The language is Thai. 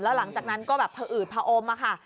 แล้วหลังจากนั้นก็แบบพออืดผอมค่ะ